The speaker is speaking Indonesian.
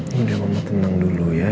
ini udah mama tenang dulu ya